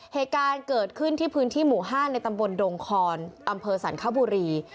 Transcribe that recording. เหตุการณ์เกิดขึ้นที่พื้นที่หมู่๕ในตำบลดงคอนอำเภอสรรคบุรี